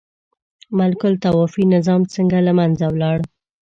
ملوک الطوایفي نظام څنګه له منځه ولاړ؟